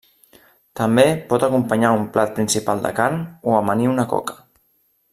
També pot acompanyar un plat principal de carn, o amanir una coca.